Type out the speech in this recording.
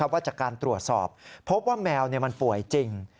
ว่าจากการตรวจสอบพบว่าแมวมันป่วยจริง